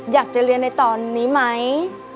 อยากจะเรียนในตอนนี้ไหม